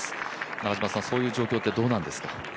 中嶋さん、そういう状況ってどうなんですか？